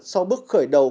sau bước khởi đầu